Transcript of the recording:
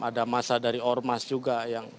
ada masa dari ormas juga yang